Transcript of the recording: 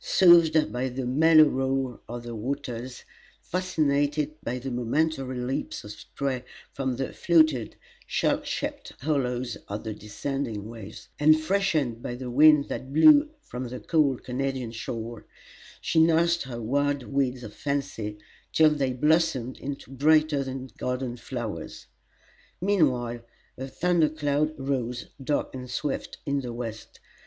Soothed by the mellow roar of the waters, fascinated by the momentary leaps of spray from the fluted, shell shaped hollows of the descending waves, and freshened by the wind that blew from the cool Canadian shore, she nursed her wild weeds of fancy till they blossomed into brighter than garden flowers. Meanwhile a thunder cloud rose, dark and swift, in the west.